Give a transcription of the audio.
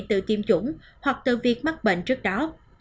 tự tiêm chủng hoặc từ việc mắc bệnh trước đó